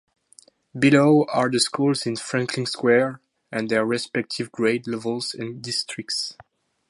Below are the schools in Franklin Square, and their respective grade levels and districts.